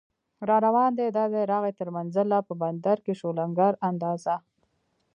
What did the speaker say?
راروان دی دا دی راغی تر منزله، په بندر کې شو لنګر اندازه